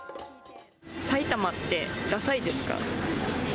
埼玉ってダサいですか？